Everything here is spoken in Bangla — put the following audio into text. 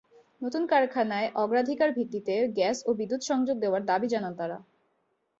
নতুন কারখানায় অগ্রাধিকার ভিত্তিতে গ্যাস ও বিদ্যুত্ সংযোগ দেওয়ার দাবি জানান তাঁরা।